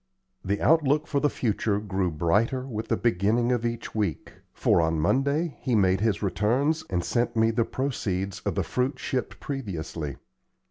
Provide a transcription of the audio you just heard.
The outlook for the future grew brighter with the beginning of each week; for on Monday he made his returns and sent me the proceeds of the fruit shipped previously.